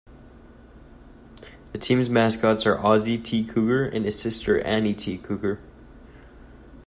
The team's mascots are Ozzie T. Cougar and his sister Annie T. Cougar.